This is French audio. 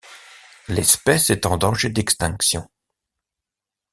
L'espèce est en danger d'extinction.